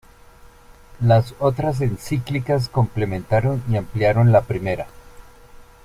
Las otras encíclicas complementaron y ampliaron la primera.